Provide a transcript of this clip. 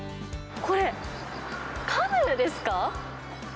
これ、カヌーですか？